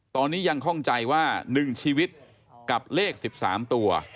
ตอนนี้ยังคล่องใจว่า๑ชีวิตกับเลข๑๓ตัว